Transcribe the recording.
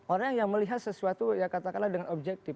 orang yang melihat sesuatu ya katakanlah dengan objektif